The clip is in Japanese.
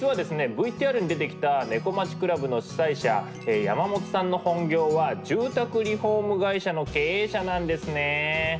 ＶＴＲに出てきた「猫町倶楽部」の主宰者山本さんの本業は住宅リフォーム会社の経営者なんですね。